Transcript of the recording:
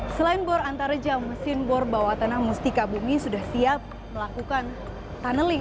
selain bor antarjam mesin bor bawah tanah mustika bumi sudah siap melakukan tunneling